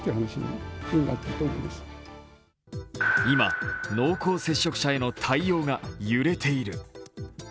今、濃厚接触者への対応が揺れている。